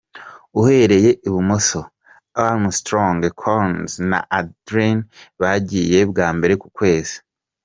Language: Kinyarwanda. Uhereye i bumoso:Armstrong, Collins na Aldrin bagiye bwa mbere ku Kwezi.